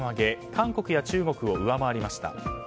韓国や中国を上回りました。